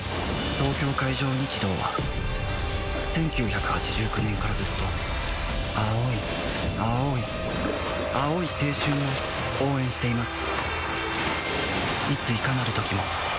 東京海上日動は１９８９年からずっと青い青い青い青春を応援しています